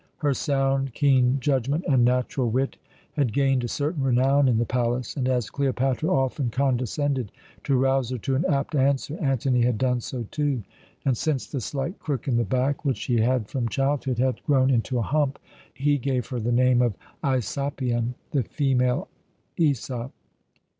Her sound, keen judgment and natural wit had gained a certain renown in the palace, and as Cleopatra often condescended to rouse her to an apt answer, Antony had done so, too; and since the slight crook in the back, which she had from childhood, had grown into a hump, he gave her the name of Aisopion the female Æsop.